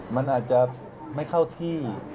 มันอาจจะไม่เข้าที่